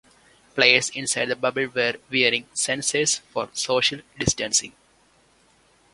Players inside the bubble were wearing sensors for social distancing.